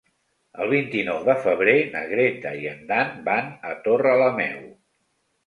El vint-i-nou de febrer na Greta i en Dan van a Torrelameu.